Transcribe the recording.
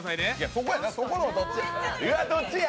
そこやな、そこのどっちや？